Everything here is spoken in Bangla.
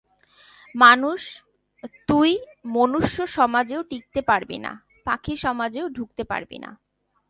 তুই মনুষ্য সমাজেও টিকতে পারবি না, পাখি সমাজেও ঢুকতে পারবি না।